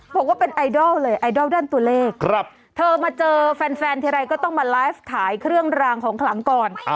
บอกว่าเป็นไอดอลเลยไอดอลด้านตัวเลขเธอมาเจอแฟนทีไรก็ต้องมาไลฟ์ขายเครื่องรางของขลังก่อน